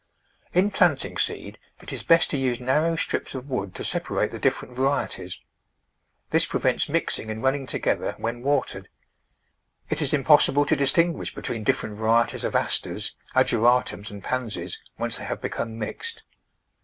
In planting seed it is best to use narrow strips of wood to separate the different varieties. This pre vents mixing and running together when watered. It is impossible to distinguish between different vari eties of Asters, Ageratums and Pansies once they have become mixed.